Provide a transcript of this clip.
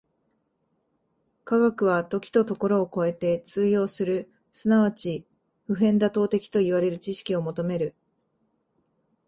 科学は時と処を超えて通用する即ち普遍妥当的といわれる知識を求める。